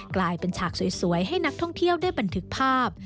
กลายเป็นฉากสวยให้นักท่องเที่ยวได้บันทึกภาพ